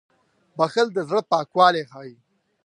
• بښل د زړه پاکوالی ښيي.